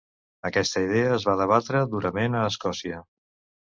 Aquesta idea es va debatre durament a Escòcia.